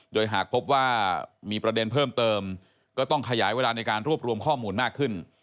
โดยหากพบว่ามีประเด็นเพิ่มเติมก็ต้องขยายเวลาในการรวบรวมข้อมูลมากขึ้น